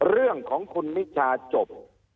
เรื่องของคุณนิชาจบ